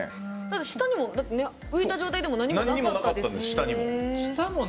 下にも浮いた状態でも何もなかったですもん。